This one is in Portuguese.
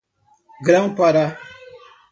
Grão-Pará